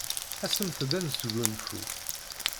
Asemt-d ad nesgunfu.